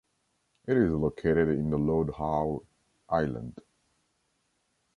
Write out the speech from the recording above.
It is located in the Lord Howe Island.